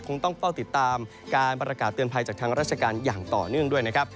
ต้องเฝ้าติดตามการประกาศเตือนภัยจากทางราชการอย่างต่อเนื่องด้วยนะครับ